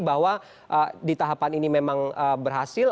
bahwa di tahapan ini memang berhasil